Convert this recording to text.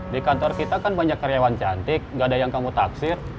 di kantor kita kan banyak karyawan cantik nggak ada yang kamu taksir